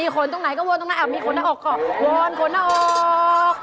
ก็วนขนหน้าออก